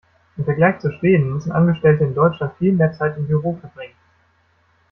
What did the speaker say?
Im Vergleich zu Schweden müssen Angestellte in Deutschland viel mehr Zeit im Büro verbringen.